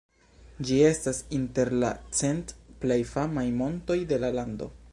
Ĝi estas inter la cent plej famaj montoj de la lando.